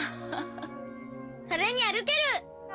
「それに歩ける！」